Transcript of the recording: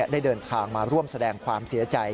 ได้เดินทางมาร่วมแสดงความเสียใจ